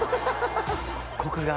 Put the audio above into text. コクが。